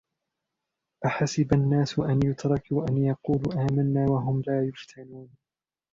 أَحَسِبَ النَّاسُ أَنْ يُتْرَكُوا أَنْ يَقُولُوا آمَنَّا وَهُمْ لَا يُفْتَنُونَ